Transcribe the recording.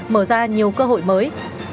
mở ra nhiều cơ hội mới